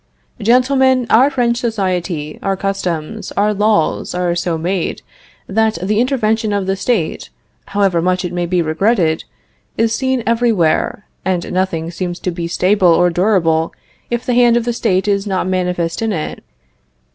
"Gentlemen, our French society, our customs, our laws, are so made that the intervention of the State, however much it may be regretted, is seen everywhere, and nothing seems to be stable or durable if the hand of the State is not manifest in it.